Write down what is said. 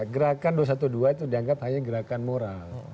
gerakan dua ratus dua belas itu dianggap hanya gerakan moral